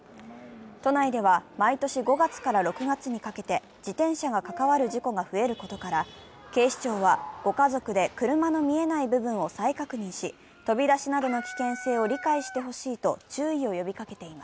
都内では毎年５月から６月にかけて自転車が関わる事故が増えることから警視庁は、ご家族で車の見えない部分を再確認し「Ｓｕｎトピ」、奈良岡さんです。